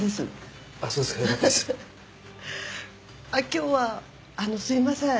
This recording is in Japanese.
今日はあのうすいません。